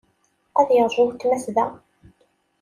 Ad yeṛju weltma-s da.